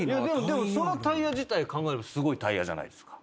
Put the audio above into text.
でもそのタイヤ自体考えればすごいタイヤじゃないですか。